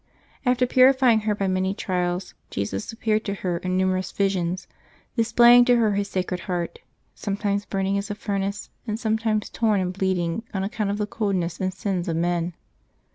After OoTOBEB 18] LIVES OF THE SAINTS 339 purifying her by many trials, Jesus appeared to her in numerous visions, displaying to her His Sacred Heart, sometimes burning as a furnace, and sometimes torn and bleeding on account of the coldness and sins of men.